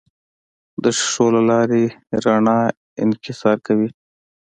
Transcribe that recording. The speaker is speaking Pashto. د شیشو له لارې رڼا انکسار کوي.